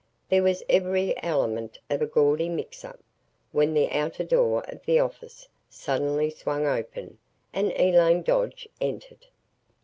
There was every element of a gaudy mix up, when the outer door of the office suddenly swung open and Elaine Dodge entered.